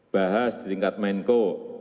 bahas di tingkat menko